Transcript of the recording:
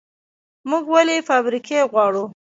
موږ ولې فابریکې غواړو؟